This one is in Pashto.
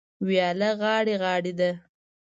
وياله غاړې غاړې ده.